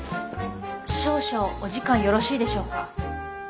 少々お時間よろしいでしょうか？